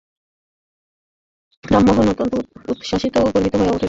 রামমোহন অত্যন্ত উৎসাহিত ও গর্বিত হইয়া উঠিল।